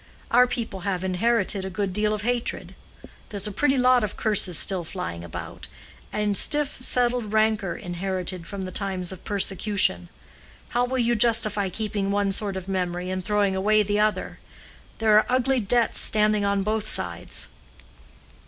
Our people have inherited a good deal of hatred. There's a pretty lot of curses still flying about, and stiff settled rancor inherited from the times of persecution. How will you justify keeping one sort of memory and throwing away the other? There are ugly debts standing on both sides."